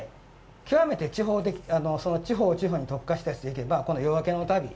極めて地方的、その地方地方に特化したやつでいけばこの「よあけのたび」。